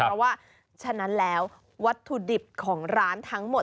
เพราะว่าฉะนั้นแล้ววัตถุดิบของร้านทั้งหมด